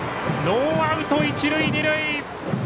ノーアウト、一塁二塁。